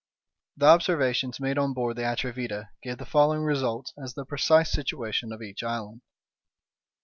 The observations made on board the Atrevida give the following results as the precise situation of each island.